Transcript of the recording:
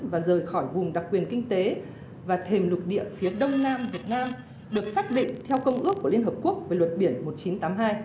và rời khỏi vùng đặc quyền kinh tế và thềm lục địa phía đông nam việt nam được xác định theo công ước của liên hợp quốc về luật biển một nghìn chín trăm tám mươi hai